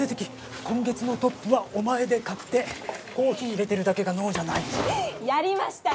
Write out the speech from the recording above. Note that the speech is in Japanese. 今月のトップはお前で確定コーヒー入れてるだけが能じゃないやりましたね